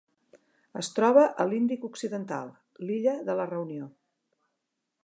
Es troba a l'Índic occidental: l'illa de la Reunió.